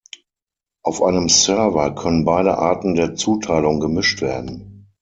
Auf einem Server können beide Arten der Zuteilung gemischt werden.